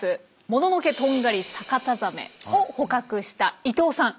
モノノケトンガリサカタザメを捕獲した伊東さん。